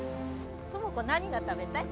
友子何が食べたい？